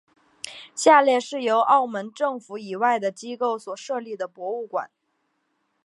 下列是由澳门政府以外的机构所设立的博物馆。